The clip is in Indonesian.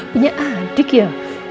punya adik ya